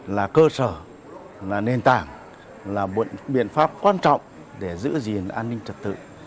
là cơ sở là nền tảng là một biện pháp quan trọng để giữ gìn an ninh trật tự